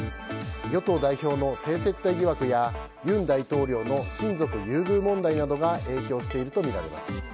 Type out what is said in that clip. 与党代表の性接待疑惑や尹大統領の親族優遇問題などが影響しているとみられます。